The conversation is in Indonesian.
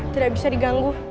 tidak bisa diganggu